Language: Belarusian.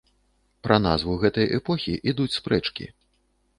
Пра назву гэтай эпохі ідуць спрэчкі.